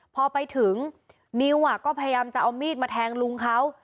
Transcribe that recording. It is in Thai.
พอไปถึงนิวก็พยายามจะเอามีดมาแทงลุงเขา